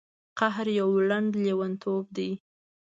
قهر یو لنډ لیونتوب دی.